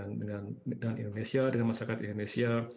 apalagi kalau kesehariannya itu lebih banyak berbeda dengan masyarakat indonesia